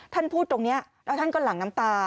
ท่านพูดตรงนี้แล้วท่านก็หลั่งน้ำตา